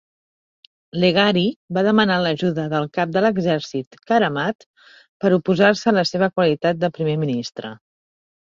Leghari va demanar l'ajuda del cap de l'exèrcit, Karamat, per oposar-se a la seva qualitat de Primer Ministre.